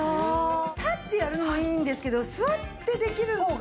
立ってやるのもいいんですけど座ってできる方がラクというか。